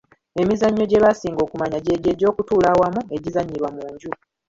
Emizannyo gye basinga okumanya gy'egyo egy'okutuula awamu, egizannyirwa mu nju.